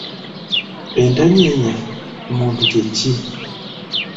Entanyenya ku muntu kye ki?